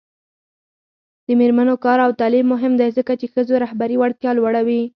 د میرمنو کار او تعلیم مهم دی ځکه چې ښځو رهبري وړتیا لوړوي.